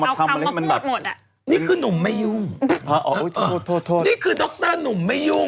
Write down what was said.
เราก็แบบเอาแหวนปลอมไปก็ได้มั้ง